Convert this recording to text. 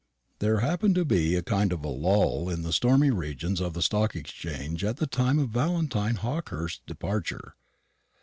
There happened to be a kind of lull in the stormy regions of the Stock Exchange at the time of Valentine Hawkehurst's departure.